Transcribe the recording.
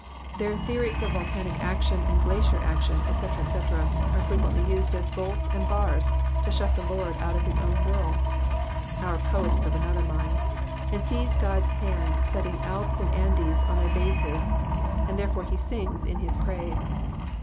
Their theories of volcanic action and glacier action, &c,j &c., are frequently used as bolts and bars to shut the Lord out of his own world. Our poet is of another mind, and sees God's hand settling Alps and Andes on their bases, and therefore he sings in his praise.